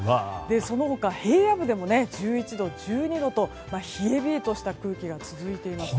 その他平野部でも１１度、１２度と冷え冷えとした空気が続いています。